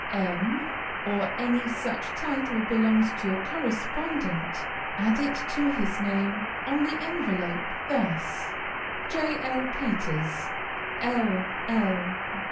M., or any such title belongs to your correspondent, add it to his name on the envelope, thus: J. L. PETERS, LL.